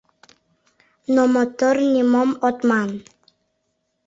Но мотор, нимом от ман!